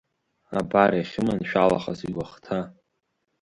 Абар иахьыманшәалахаз иуахҭа!